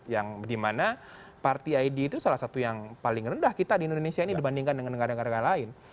yang dimana party id itu salah satu yang paling rendah kita di indonesia ini dibandingkan dengan negara negara lain